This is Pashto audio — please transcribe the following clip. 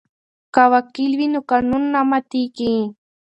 که وکیل وي نو قانون نه ماتیږي.